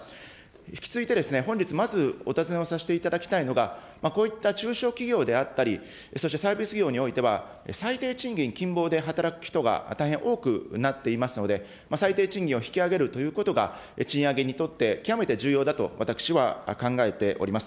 引き続いて、本日、まずお尋ねをさせていただきたいのが、こういった中小企業であったり、そしてサービス業においては、最低賃金近傍で働く人が大変多くなっていますので、最低賃金を引き上げるということが、賃上げにとって極めて重要だと私は考えております。